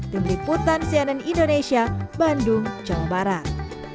dibeliputan cnn indonesia bandung jawa barat